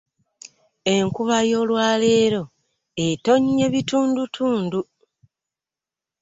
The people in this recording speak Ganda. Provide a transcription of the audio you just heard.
Enkuba y'olwaleero etonnye bitundutundu.